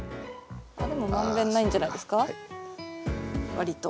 でも満遍ないんじゃないですか割と。